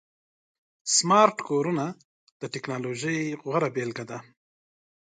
سمارټ کورونه د ټکنالوژۍ غوره بيلګه ده.